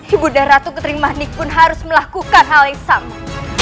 ibu nda ratu ketering mani pun harus melakukan hal yang sama